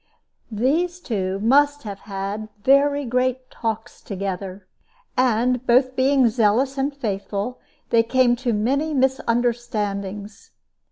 These two must have had very great talks together, and, both being zealous and faithful, they came to many misunderstandings.